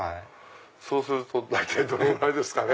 そうすると大体どのぐらいですかね？